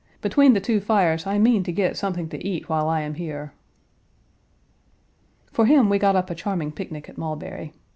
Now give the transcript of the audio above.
Between the two fires I mean to get something to eat while I am here." For him we got up a charming picnic at Mulberry.